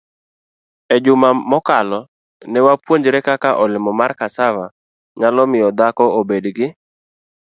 E juma mokalo, ne wapuonjore kaka olemo mar cassava nyalo miyo dhako obed gi